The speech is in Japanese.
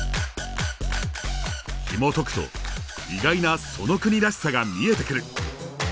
ひもとくと意外なその国らしさが見えてくる！